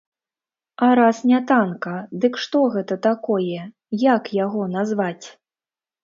А раз не танка, дык што гэта такое, як яго назваць?